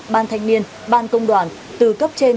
ban thanh niên ban công đoàn từ cấp trên